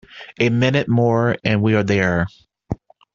A minute more and we are there.